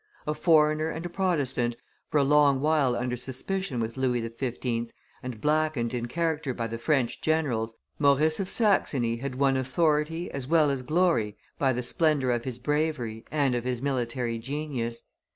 A foreigner and a Protestant, for a long while under suspicion with Louis XV., and blackened in character by the French generals, Maurice of Saxony had won authority as well as glory by the splendor of his bravery and of his military genius.